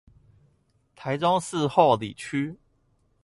台中市后里區